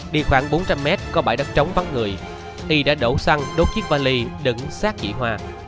đi khoảng bốn trăm linh m có bãi đất trống vắng người y đã đổ xăng đốt chiếc vali đựng sát chị hoa